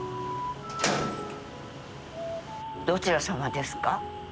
どちら様ですか？